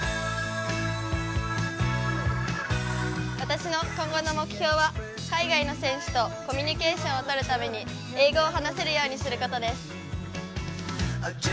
私の今後の目標は海外の選手とコミュニケーションを取るために英語を話せるようにすることです。